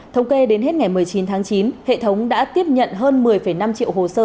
thống kê đến hết ngày một mươi chín tháng chín hệ thống đã tiếp nhận hơn một mươi năm triệu hồ sơ